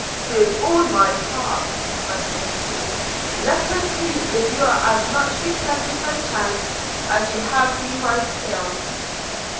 'With all my heart,' replied Tracy. 'Let us see if you are as much befriended by chance, as you have been by skill.'